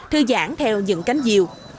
thư giãn theo những cánh diều